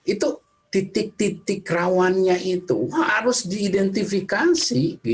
itu titik titik rawannya itu harus diidentifikasi